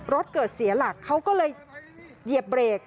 รถเกิดเสียหลักเขาก็เลยเหยียบเบรก